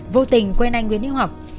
vô tình quen anh nguyễn yếu học